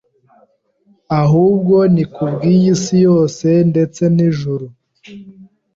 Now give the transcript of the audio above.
ahubwo ni kubw’iyi si yose ndetse n’ijuru.